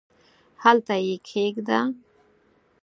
هلته یې کښېږدم ؟؟